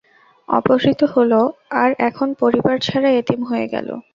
অপহৃত হলো আর এখন পরিবার ছাড়া এতিম হয়ে গেল?